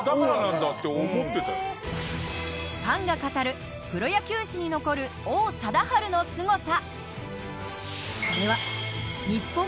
ファンが語るプロ野球史に残る王貞治のすごさ。